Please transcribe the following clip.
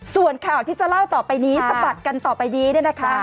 ส่วนข่าวที่จะเล่าต่อไปนี้สะบัดกันต่อไปนี้เนี่ยนะคะ